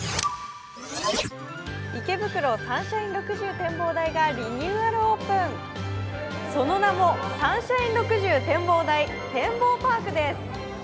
池袋サンシャイン６０の展望がリニューアルオープン、その名も、サンシャイン６０展望台てんぼうパークです。